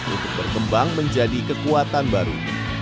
untuk berkembang menjadi kekuatan baru